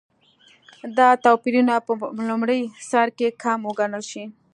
دا توپیرونه په لومړي سرکې کم وګڼل شي.